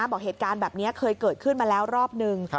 บอกเหตุการณ์แบบนี้เคยเกิดขึ้นมาแล้วรอบนึง